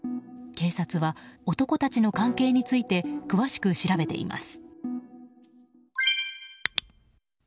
警察は男たちの関係について詳しく調べています。